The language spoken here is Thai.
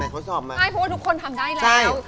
ไม่เพราะทุกคนทำได้แล้ว